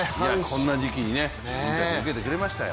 こんな時期に、インタビュー受けてくれましたよ。